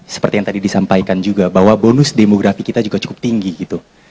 seperti yang tadi disampaikan juga bahwa bonus demografi kita juga cukup tinggi gitu